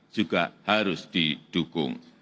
juga harus didukung